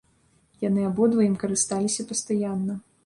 Яны абодва ім карысталіся пастаянна.